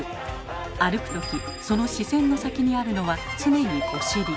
歩く時その視線の先にあるのは常にお尻。